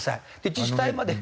自治体まで。